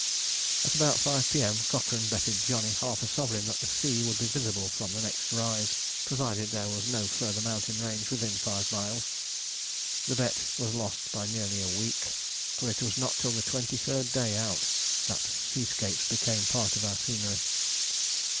At about 5 P.M. Cochrane betted Johnny half a sovereign that the sea would be visible from the next rise, provided there was no further mountain range within five miles. The bet was lost by nearly a week, for it was not till the twenty third day out that seascapes became part of our scenery.